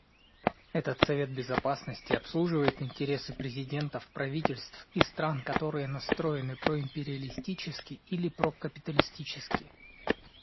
Этот Совет Безопасности обслуживает интересы президентов, правительств и стран, которые настроены проимпериалистически или прокапиталистически.